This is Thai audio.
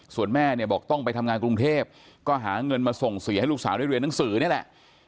ส่วนแม่เนี่ยบอกต้องไปทำงานกรุงเทพก็หาเงินมาส่งเสียให้ลูกสาวได้เรียนหนังสือนี่แหละ